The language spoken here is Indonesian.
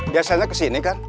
biasanya kesini kan